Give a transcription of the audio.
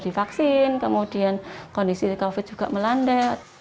di vaksin kemudian kondisi covid juga melanda